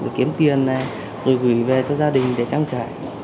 để kiếm tiền rồi gửi về cho gia đình để trang trải